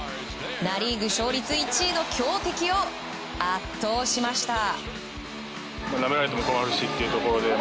ナ・リーグ勝率１の強敵を圧倒しました。